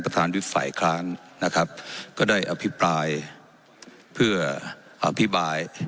ประธานดิบฝ่ายคร้านนะครับก็ได้อภิปรายเพื่ออภิบาย